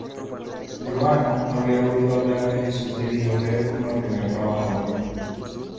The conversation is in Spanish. Ruano había oído hablar de Jesús Divino Obrero como el primer trabajador.